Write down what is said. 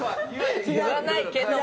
言わないけども。